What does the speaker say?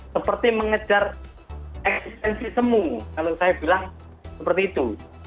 seperti mengejar eksistensi semu kalau saya bilang seperti itu